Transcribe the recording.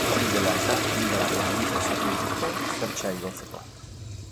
Hori dela eta, bi garabi handi prestatu dituzte zertxa igotzeko.